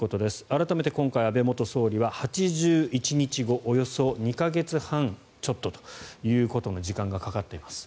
改めて今回安倍元総理は８１日後およそ２か月半ちょっとという時間がかかっています。